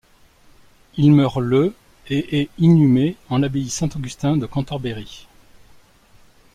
Il meurt le et est inhumé en l'abbaye Saint-Augustin de Cantorbéry.